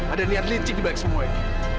ada niat licik dibaik semua ini